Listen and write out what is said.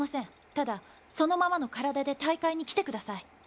ただそのままの体で大会に来てください。